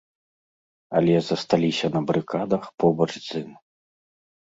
Але засталіся на барыкадах побач з ім.